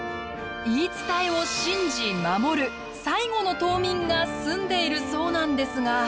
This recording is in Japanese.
言い伝えを信じ守る最後の島民が住んでいるそうなんですが。